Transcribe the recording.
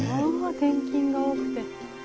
転勤が多くて。